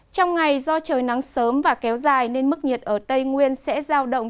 trong ngày do trời nắng sớm và kéo dài nên mức nhiệt ở tây nguyên sẽ giao động